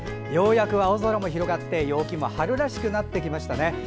ようやく青空も広がって陽気も春らしくなってきましたね。